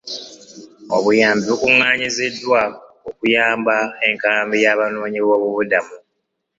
Obuyambi bukungaanyiziddwa okuyamba enkambi y'abanoonyiboobubudamu.